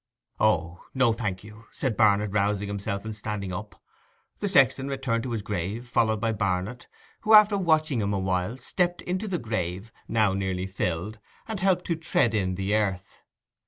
'O no, thank you,' said Barnet, rousing himself and standing up. The sexton returned to his grave, followed by Barnet, who, after watching him awhile, stepped into the grave, now nearly filled, and helped to tread in the earth.